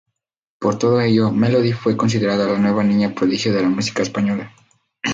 Por todo ello, Melody fue considerada la nueva niña prodigio de la música española.